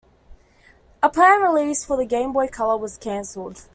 A planned release for the Game Boy Color was cancelled.